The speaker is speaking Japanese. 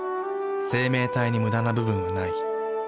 生命体にムダな部分はない。